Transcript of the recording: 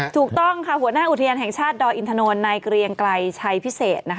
ถูกต้องหัวหน้าอุตญาณแห่งชาติดอยอินทรนนย์ในเกรงไกลชัยภิเศษ